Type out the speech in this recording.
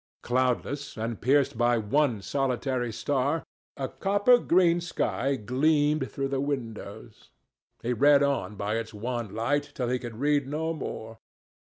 Cloudless, and pierced by one solitary star, a copper green sky gleamed through the windows. He read on by its wan light till he could read no more.